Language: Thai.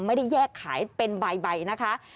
ไม่ได้แยกขายเป็นใบนะคะ